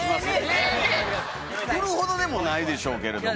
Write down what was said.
振るほどでもないでしょうけれども。